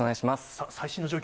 さあ、最新の状況